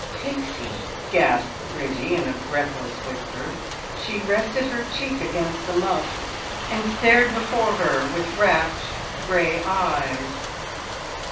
"P pixie!" gasped Bridgie in a breathless whisper. She rested her cheek against the muff, and stared before her with rapt grey eyes.